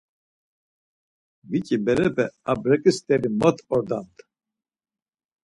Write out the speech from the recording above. Biçi berepe abreǩi steri mod ordamt.